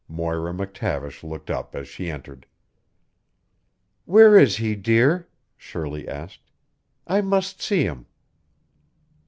Moira McTavish looked up as she entered. "Where is he, dear?" Shirley asked. "I must see him."